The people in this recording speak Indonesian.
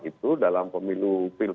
itu dalam pemilu